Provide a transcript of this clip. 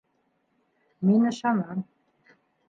Мин ышанам.